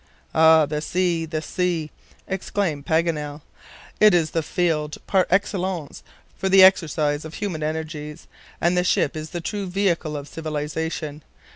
"Ah! the sea! the sea!" exclaimed Paganel, "it is the field par excellence for the exercise of human energies, and the ship is the true vehicle of civilization.